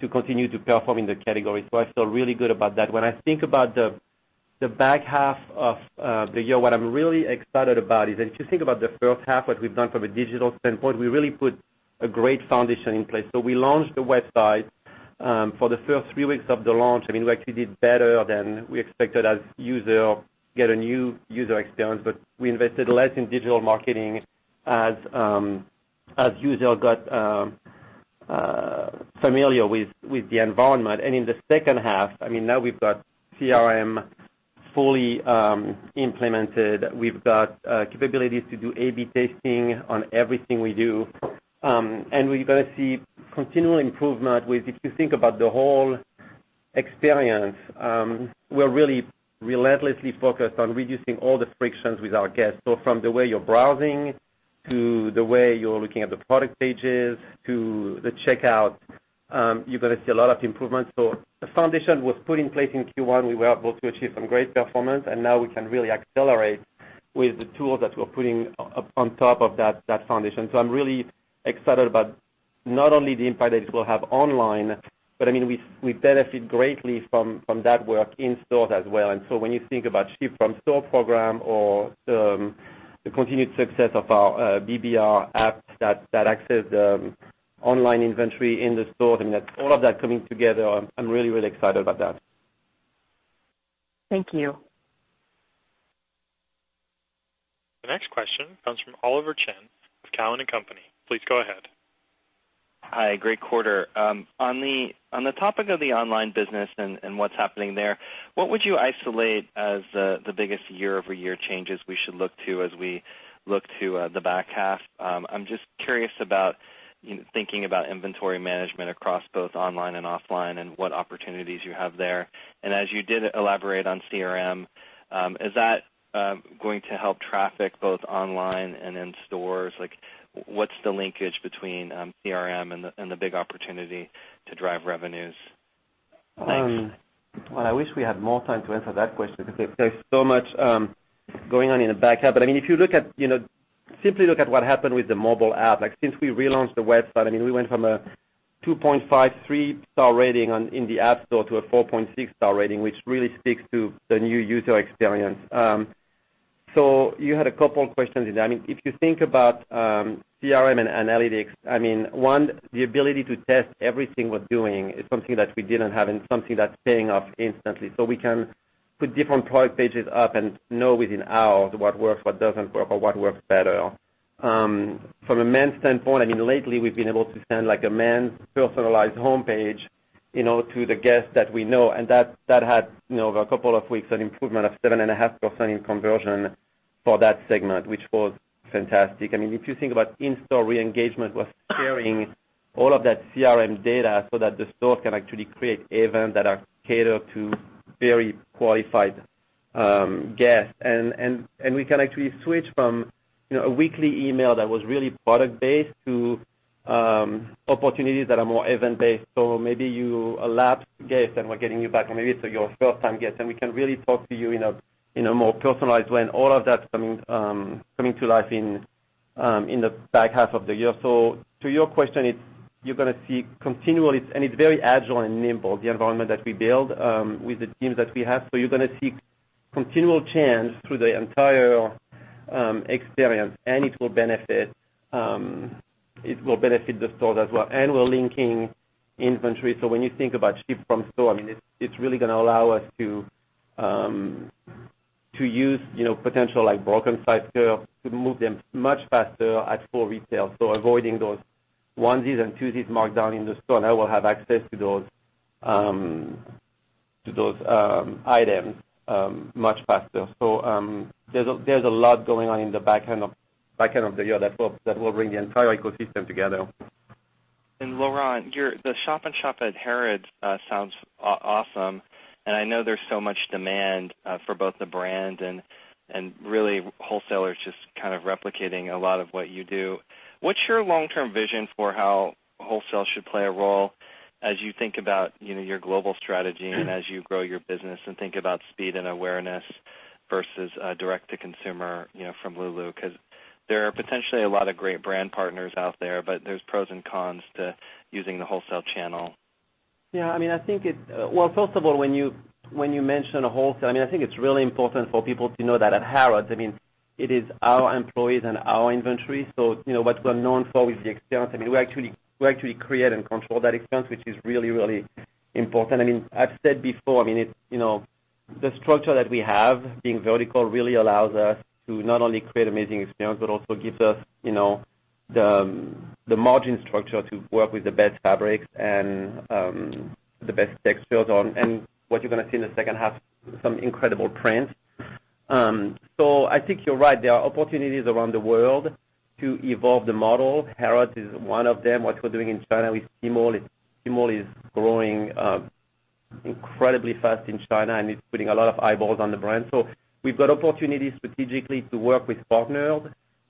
to continue to perform in the category. I feel really good about that. When I think about the back half of the year, what I'm really excited about is if you think about the first half, what we've done from a digital standpoint, we really put a great foundation in place. We launched the website. For the first three weeks of the launch, we actually did better than we expected as user get a new user experience, but we invested less in digital marketing as user got familiar with the environment. In the second half, now we've got CRM fully implemented. We've got capabilities to do A/B testing on everything we do. We're gonna see continual improvement with, if you think about the whole experience, we're really relentlessly focused on reducing all the frictions with our guests. From the way you're browsing to the way you're looking at the product pages, to the checkout, you're going to see a lot of improvements. The foundation was put in place in Q1. We were able to achieve some great performance, and now we can really accelerate with the tools that we're putting on top of that foundation. I'm really excited about not only the impact that it will have online, but we benefit greatly from that work in stores as well. When you think about ship from store program or the continued success of our BBR apps that access the online inventory in the store, all of that coming together, I'm really, really excited about that. Thank you. The next question comes from Oliver Chen of Cowen and Company. Please go ahead. Hi, great quarter. On the topic of the online business and what's happening there, what would you isolate as the biggest year-over-year changes we should look to as we look to the back half? I'm just curious about thinking about inventory management across both online and offline and what opportunities you have there. As you did elaborate on CRM, is that going to help traffic both online and in stores? What's the linkage between CRM and the big opportunity to drive revenues? Thanks. Well, I wish we had more time to answer that question because there's so much going on in the back half. If you simply look at what happened with the mobile app, since we relaunched the website, we went from a 2.53 star rating in the App Store to a 4.6 star rating, which really speaks to the new user experience. You had a couple questions in there. If you think about CRM and analytics, one, the ability to test everything we're doing is something that we didn't have and something that's paying off instantly. We can put different product pages up and know within hours what works, what doesn't work, or what works better. From a men's standpoint, lately we've been able to send a men's personalized homepage to the guests that we know, and that had, over a couple of weeks, an improvement of 7.5% in conversion for that segment, which was fantastic. If you think about in-store re-engagement, we're sharing all of that CRM data so that the store can actually create events that are catered to very qualified guests. We can actually switch from a weekly email that was really product based to opportunities that are more event based. Maybe you are a lapsed guest and we're getting you back, or maybe it's your first time guest, and we can really talk to you in a more personalized way, and all of that's coming to life in the back half of the year. To your question, and it's very agile and nimble, the environment that we build with the teams that we have. You're going to see continual change through the entire experience, and it will benefit the store as well. We're linking inventory. When you think about ship from store, it's really going to allow us to use potential broken size curves to move them much faster at full retail. Avoiding those onesies and twosies marked down in the store, and I will have access to those items much faster. There's a lot going on in the back end of the year that will bring the entire ecosystem together. Laurent, the shop-in-shop at Harrods sounds awesome, and I know there's so much demand for both the brand and really wholesalers just kind of replicating a lot of what you do. What's your long-term vision for how wholesale should play a role as you think about your global strategy and as you grow your business and think about speed and awareness versus direct to consumer from Lulu? There are potentially a lot of great brand partners out there, but there's pros and cons to using the wholesale channel. Yeah. First of all, when you mention wholesale, I think it's really important for people to know that at Harrods, it is our employees and our inventory. What we're known for is the experience. We actually create and control that experience, which is really, really important. I've said before, the structure that we have, being vertical, really allows us to not only create amazing experience, but also gives us the margin structure to work with the best fabrics and the best textures. What you're going to see in the second half, some incredible prints. I think you're right. There are opportunities around the world to evolve the model. Harrods is one of them. What we're doing in China with Tmall is growing incredibly fast in China, and it's putting a lot of eyeballs on the brand. We've got opportunities strategically to work with partners.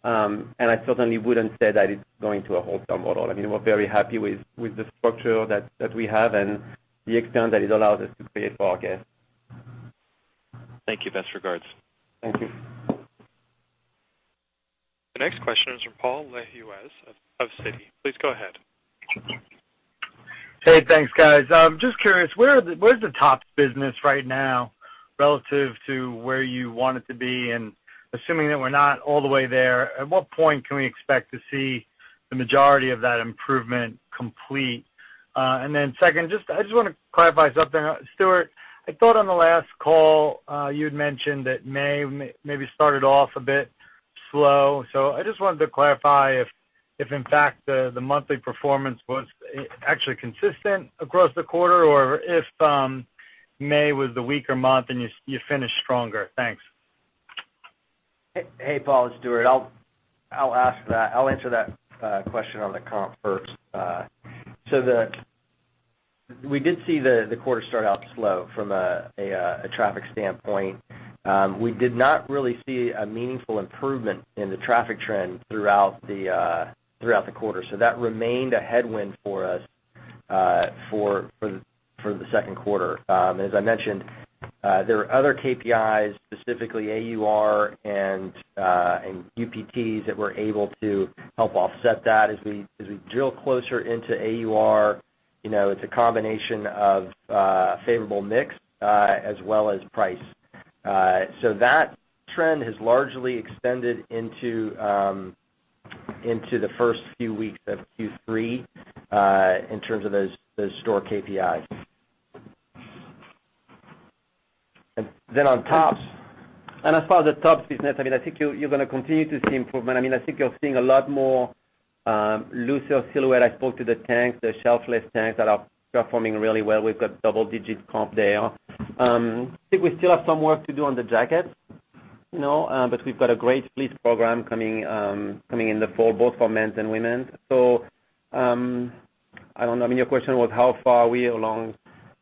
I certainly wouldn't say that it's going to a wholesale model. We're very happy with the structure that we have and the extent that it allows us to create for our guests. Thank you. Best regards. Thank you. The next question is from Paul Lejuez of Citi. Please go ahead. Hey, thanks, guys. Just curious, where's the top business right now relative to where you want it to be? Assuming that we're not all the way there, at what point can we expect to see the majority of that improvement complete? Then second, I just want to clarify something. Stuart, I thought on the last call, you had mentioned that May maybe started off a bit slow. I just wanted to clarify if, in fact, the monthly performance was actually consistent across the quarter or if May was the weaker month and you finished stronger. Thanks. Hey, Paul, it's Stuart. I'll answer that question on the comp first. We did see the quarter start out slow from a traffic standpoint. We did not really see a meaningful improvement in the traffic trend throughout the quarter. That remained a headwind for us for the second quarter. As I mentioned, there are other KPIs, specifically AUR and UPTs that were able to help offset that. As we drill closer into AUR, it's a combination of favorable mix as well as price. That trend has largely extended into the first few weeks of Q3, in terms of those store KPIs. On tops, as far as the tops business, I think you're going to continue to see improvement. I think you're seeing a lot more looser silhouette. I spoke to the tanks, the shelf-less tanks that are performing really well. We've got double-digit comp there. I think we still have some work to do on the jacket, but we've got a great fleet program coming in the fall, both for men's and women's. I don't know. Your question was, how far are we along?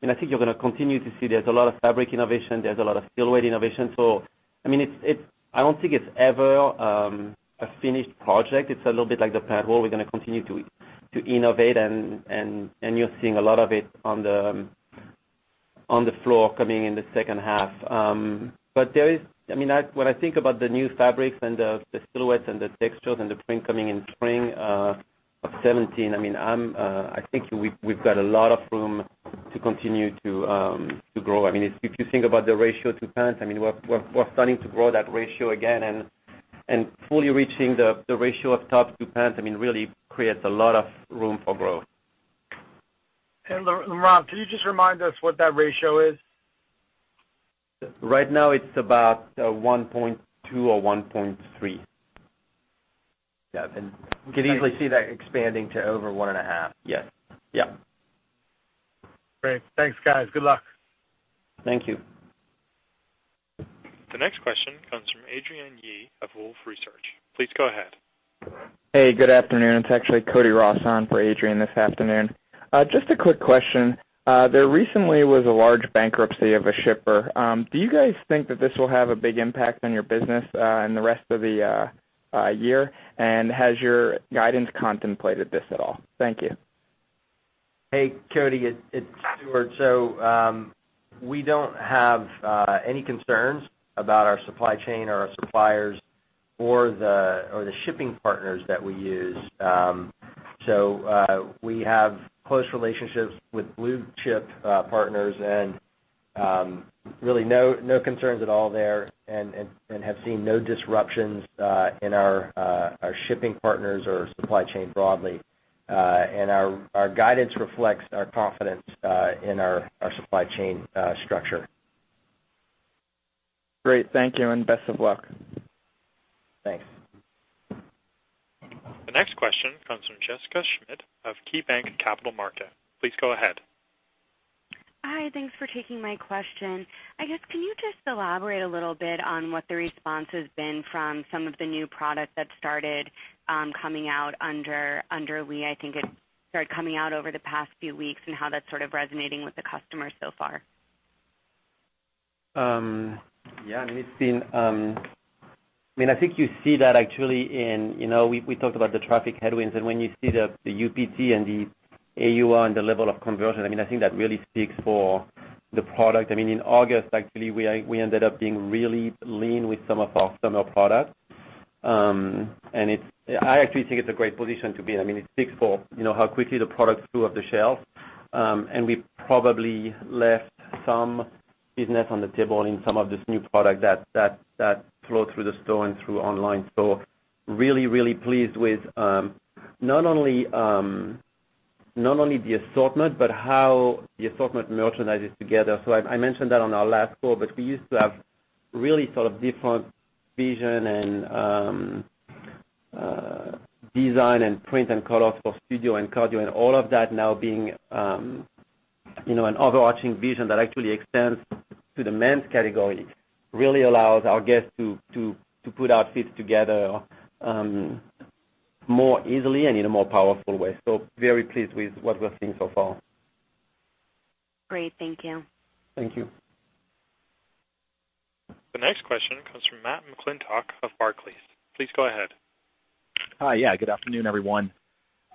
I think you're going to continue to see there's a lot of fabric innovation, there's a lot of silhouette innovation. I don't think it's ever a finished project. It's a little bit like the pant wall. We're going to continue to innovate, and you're seeing a lot of it on the floor coming in the second half. When I think about the new fabrics and the silhouettes and the textures and the print coming in spring of 2017, I think we've got a lot of room to continue to grow. If you think about the ratio to pants, we're starting to grow that ratio again, and fully reaching the ratio of tops to pants, really creates a lot of room for growth. Laurent, can you just remind us what that ratio is? Right now, it's about 1.2 or 1.3. Yeah. We could easily see that expanding to over one and a half. Yes. Yeah. Great. Thanks, guys. Good luck. Thank you. The next question comes from Adrienne Yih of Wolfe Research. Please go ahead. Hey, good afternoon. It's actually Cody Ross on for Adrian this afternoon. Just a quick question. There recently was a large bankruptcy of a shipper. Do you guys think that this will have a big impact on your business in the rest of the year? Has your guidance contemplated this at all? Thank you. Hey, Cody. It's Stuart. We don't have any concerns about our supply chain or our suppliers or the shipping partners that we use. We have close relationships with blue-chip partners, and really no concerns at all there, and have seen no disruptions in our shipping partners or supply chain broadly. Our guidance reflects our confidence in our supply chain structure. Great. Thank you, and best of luck. Thanks. The next question comes from Jessica Schmidt of KeyBanc Capital Markets. Please go ahead. Hi. Thanks for taking my question. I guess, can you just elaborate a little bit on what the response has been from some of the new product that started coming out under Lee? I think it started coming out over the past few weeks, and how that's sort of resonating with the customers so far. Yeah. I think you see that actually we talked about the traffic headwinds, and when you see the UPT and the AUR and the level of conversion, I think that really speaks for the product. In August, actually, we ended up being really lean with some of our summer products. I actually think it's a great position to be in. It speaks for how quickly the product flew off the shelf. We probably left some business on the table in some of this new product that flowed through the store and through online. Really, really pleased with not only the assortment, but how the assortment merchandises together. I mentioned that on our last call, we used to have really sort of different vision and design and print and colors for studio and cardio and all of that now being an overarching vision that actually extends to the men's category. Really allows our guests to put outfits together more easily and in a more powerful way. Very pleased with what we're seeing so far. Great. Thank you. Thank you. The next question comes from Matt McClintock of Barclays. Please go ahead. Hi. Yeah. Good afternoon, everyone.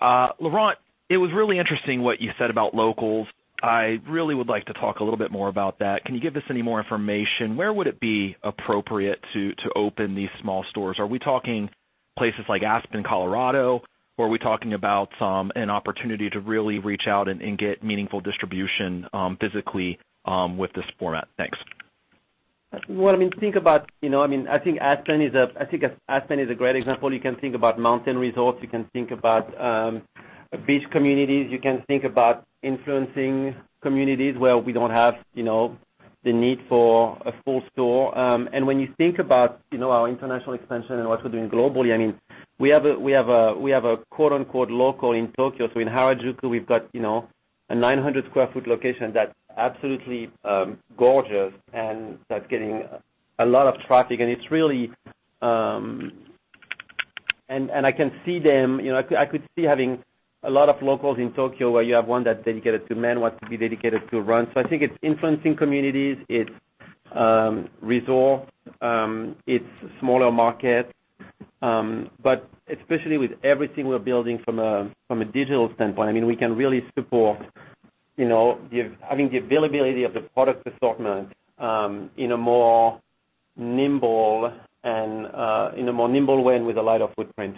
Laurent, it was really interesting what you said about Locals. I really would like to talk a little bit more about that. Can you give us any more information? Where would it be appropriate to open these small stores? Are we talking places like Aspen, Colorado, or are we talking about an opportunity to really reach out and get meaningful distribution physically with this format? Thanks. Well, I think Aspen is a great example. You can think about mountain resorts. You can think about beach communities. You can think about influencing communities where we don't have the need for a full store. When you think about our international expansion and what we're doing globally, we have a quote, unquote, "local" in Tokyo. In Harajuku, we've got a 900 square foot location that's absolutely gorgeous and that's getting a lot of traffic. I can see them. I could see having a lot of locals in Tokyo where you have one that's dedicated to men, one to be dedicated to run. I think it's influencing communities, it's resort, it's smaller markets. Especially with everything we're building from a digital standpoint, we can really support having the availability of the product assortment in a more nimble way and with a lighter footprint.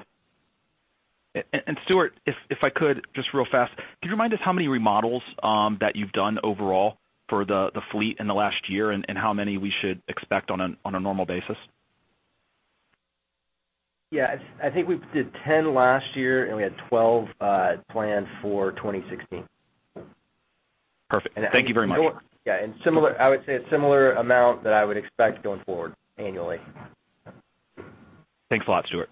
Stuart, if I could, just real fast, could you remind us how many remodels that you've done overall for the fleet in the last year, and how many we should expect on a normal basis? Yeah. I think we did 10 last year, and we had 12 planned for 2016. Perfect. Thank you very much. Yeah. I would say a similar amount that I would expect going forward annually. Thanks a lot, Stuart.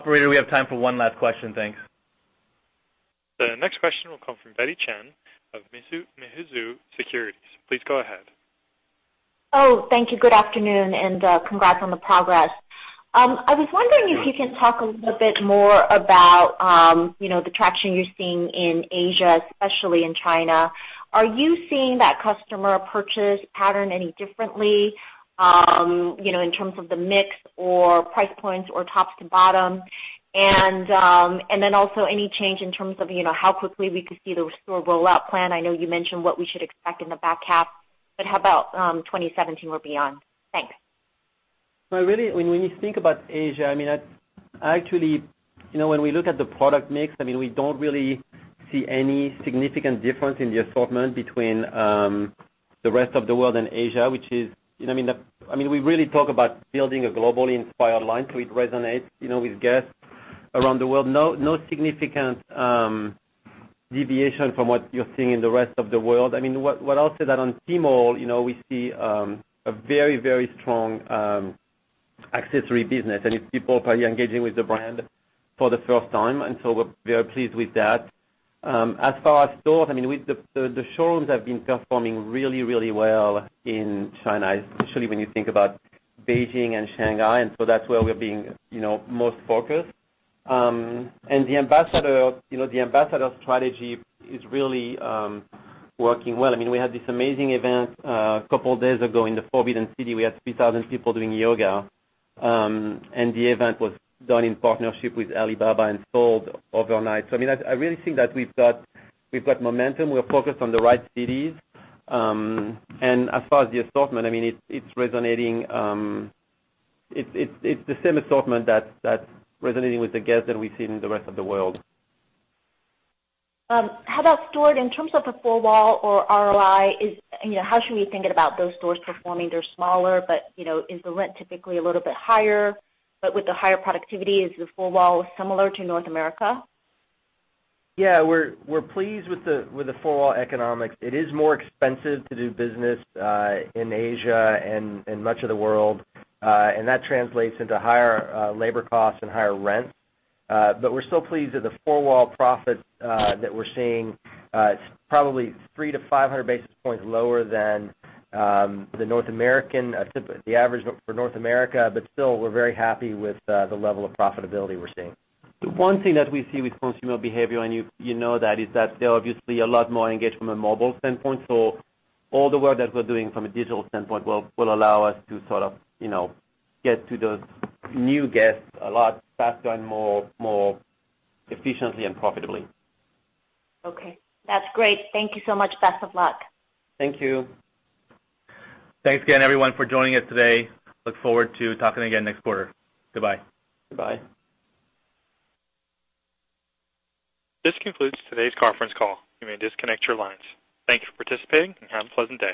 Operator, we have time for one last question. Thanks. The next question will come from Betty Chen of Mizuho Securities. Please go ahead. Thank you. Good afternoon, congrats on the progress. I was wondering if you can talk a little bit more about the traction you're seeing in Asia, especially in China. Are you seeing that customer purchase pattern any differently in terms of the mix or price points or top to bottom? Also any change in terms of how quickly we could see the store rollout plan. I know you mentioned what we should expect in the back half, but how about 2017 or beyond? Thanks. When you think about Asia, actually, when we look at the product mix, we don't really see any significant difference in the assortment between the rest of the world and Asia. We really talk about building a globally inspired line, so it resonates with guests around the world. No significant deviation from what you're seeing in the rest of the world. What I'll say that on Tmall, we see a very strong accessory business, so it's people probably engaging with the brand for the first time, so we're very pleased with that. As far as stores, the showrooms have been performing really well in China, especially when you think about Beijing and Shanghai, so that's where we're being most focused. The ambassador strategy is really working well. We had this amazing event a couple of days ago in the Forbidden City. We had 3,000 people doing yoga. The event was done in partnership with Alibaba and sold overnight. I really think that we've got momentum. We're focused on the right cities. As far as the assortment, it's the same assortment that's resonating with the guests that we see in the rest of the world. How about Stuart, in terms of a four-wall or ROI, how should we think about those stores performing? They're smaller, is the rent typically a little bit higher? With the higher productivity, is the four-wall similar to North America? Yeah. We're pleased with the four-wall economics. It is more expensive to do business in Asia and much of the world. That translates into higher labor costs and higher rent. We're still pleased with the four-wall profit that we're seeing. It's probably 300-500 basis points lower than the average for North America. Still, we're very happy with the level of profitability we're seeing. The one thing that we see with consumer behavior, and you know that, is that they're obviously a lot more engaged from a mobile standpoint. All the work that we're doing from a digital standpoint will allow us to sort of get to those new guests a lot faster and more efficiently and profitably. Okay. That's great. Thank you so much. Best of luck. Thank you. Thanks again, everyone, for joining us today. Look forward to talking again next quarter. Goodbye. Goodbye. This concludes today's conference call. You may disconnect your lines. Thank you for participating and have a pleasant day.